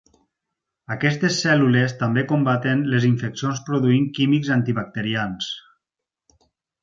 Aquestes cèl·lules també combaten les infeccions produint químics antibacterians.